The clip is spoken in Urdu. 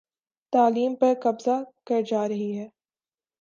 تعلیم پر قبضہ کر جا رہی ہے